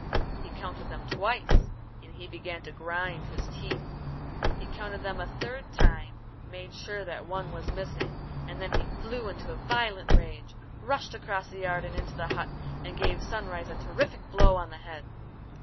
He counted them twice, and he began to grind his teeth. He counted them a third time, made sure that one was missing, and then he flew into a violent rage, rushed across the yard and into the hut, and gave Sunrise a terrific blow on the head.